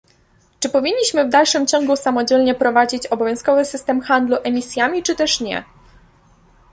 Czy powinniśmy w dalszym ciągu samodzielnie prowadzić obowiązkowy system handlu emisjami, czy też nie?